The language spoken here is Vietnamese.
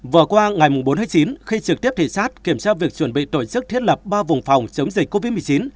vừa qua ngày bốn tháng chín khi trực tiếp thị xát kiểm tra việc chuẩn bị tổ chức thiết lập ba vùng phòng chống dịch covid một mươi chín